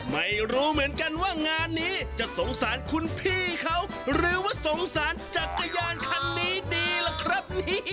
ไม่รู้เหมือนกันว่างานนี้จะสงสารคุณพี่เขาหรือว่าสงสารจักรยานคันนี้ดีล่ะครับ